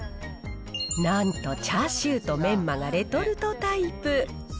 なんと、チャーシューとメンマがレトルトタイプ。